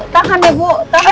tahan ya bu tahan